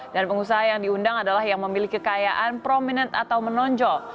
dan pengusaha yang diundang adalah yang memiliki kekayaan prominent atau menonjol